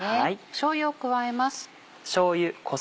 しょうゆを加えます。